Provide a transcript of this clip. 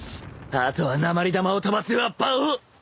あとは鉛玉を飛ばすわっぱを。